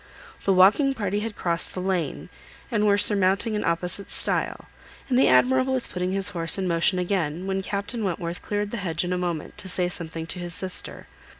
The walking party had crossed the lane, and were surmounting an opposite stile, and the Admiral was putting his horse in motion again, when Captain Wentworth cleared the hedge in a moment to say something to his sister.